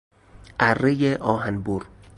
ارهی آهنبر